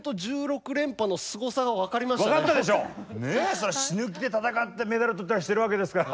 そりゃ死ぬ気で戦ってメダル取ったりしてるわけですから。